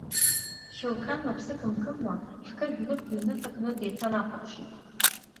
Хьылқан лыԥсы қымқымуа ҳқыжә лыбла иныҵакны деиҭанахәаԥшит.